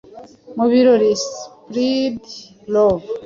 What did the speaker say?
mu birori 'Spread Love